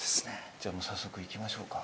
じゃあもう早速いきましょうか。